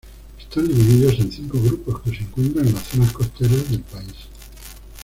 Están divididos en cinco grupos que se encuentran en las zonas costeras del país.